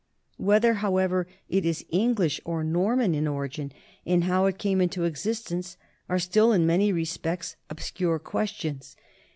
Whether, however, it is English or Norman in origin and how it came into ex istence, are still in many respects obscure questions.